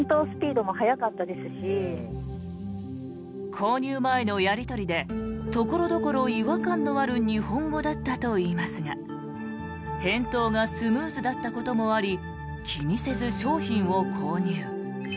購入前のやり取りで所々違和感のある日本語だったといいますが返答がスムーズだったこともあり気にせず、商品を購入。